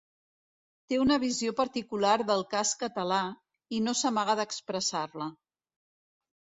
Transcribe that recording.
Té una visió particular del cas català, i no s’amaga d’expressar-la.